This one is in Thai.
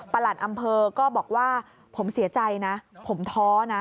หลัดอำเภอก็บอกว่าผมเสียใจนะผมท้อนะ